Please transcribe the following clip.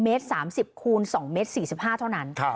เมตร๓๐คูณ๒เมตร๔๕เท่านั้น